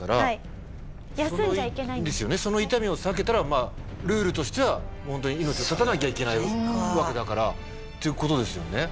その痛みを避けたらルールとしてはホントに命を絶たなきゃいけないわけだからという事ですよね。